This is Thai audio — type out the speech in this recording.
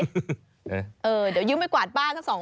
เออเดี๋ยวยิ่งไม่กวาดบ้านสัก๒วัน